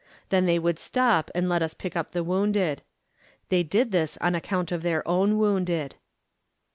Then they would stop and let us pick up the wounded. They did this on account of their own wounded.